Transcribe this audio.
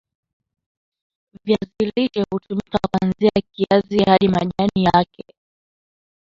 Viazi lishe hutumika kwanzia kiazi hadi majani yake